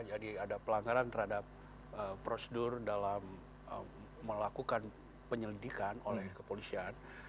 ada pelanggaran terhadap prosedur dalam melakukan penyelidikan oleh kepolisian